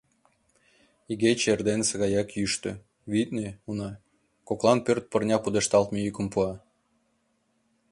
Игече эрденысе гаяк йӱштӧ, витне, уна, коклан пӧрт пырня пудешталтме йӱкым пуа.